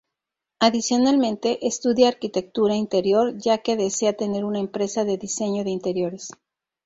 Adicionalmente, estudia Arquitectura interior ya que desea tener una empresa de diseño de interiores.